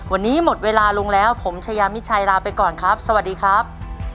วันนี้หมดเวลาลงแล้วผมชายามิชัยลาไปก่อนครับสวัสดีครับ